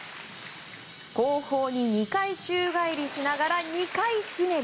後方に２回宙返りしながら２回ひねり。